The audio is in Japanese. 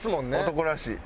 男らしい。